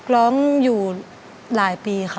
ร้องอยู่หลายปีค่ะ